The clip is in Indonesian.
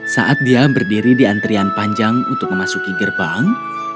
saat dia berdiri di antrian panjang untuk memasuki gerbang